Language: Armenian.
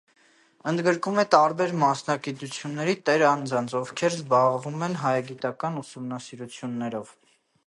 Ընդգրկում է տարբեր մասնագիտությունների տեր անձանց, ովքեր զբաղվում են հայագիտական ուսումնասիրություններով։